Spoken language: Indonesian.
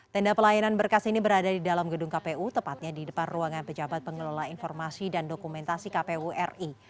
tenda pelayanan berkas ini berada di dalam gedung kpu tepatnya di depan ruangan pejabat pengelola informasi dan dokumentasi kpu ri